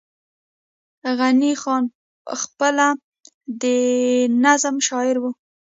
غني خان پخپله د نظم شاعر وو